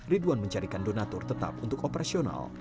ridwan mencarikan donatur tetap untuk operasional